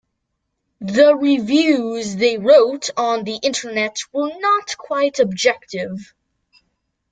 The reviews they wrote on the Internet were not quite objective.